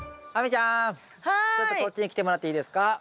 ちょっとこっちに来てもらっていいですか？